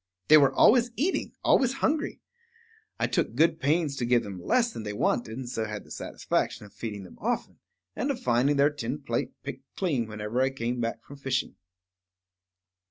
They were always eating, always hungry. I took good pains to give them less than they wanted, and so had the satisfaction of feeding them often, and of finding their tin plate picked clean whenever I came back from fishing.